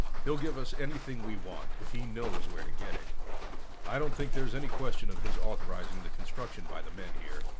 He'll give us anything we want, if he knows where to get it. I don't think there's any question of his authorizing the construction by the men here."